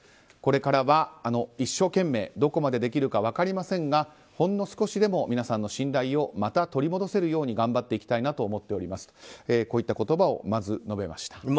これからは、あの一生懸命どこまでできるか分かりませんがほんの少しでも皆さんの信頼をまた取り戻せるように頑張っていきたいなと思っておりますとこういった言葉を述べました。